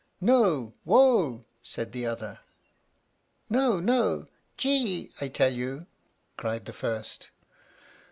"No, wo!" said the other. "No, no. Gee! I tell you," cried the first.